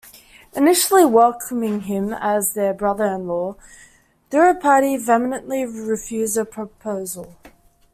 Initially welcoming him as their brother-in-law, Draupadi vehemently refused the proposal.